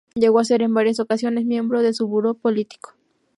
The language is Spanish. Llegó a ser, en varias ocasiones, miembro de su Buró Político.